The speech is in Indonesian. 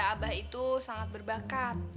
abah itu sangat berbakat